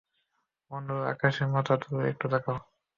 বন্ধুরা, আকাশে মাথা তুলে একটু তাকাও?